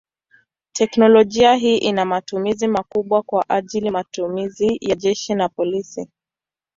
Teknolojia hii ina matumizi makubwa kwa ajili matumizi ya jeshi na polisi.